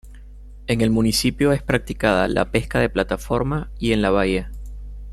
En el municipio es practicada la pesca de plataforma y en la bahía.